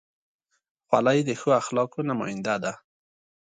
خولۍ د ښو اخلاقو نماینده ده.